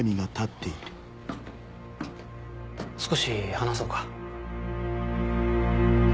少し話そうか。